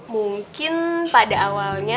mungkin pada awalnya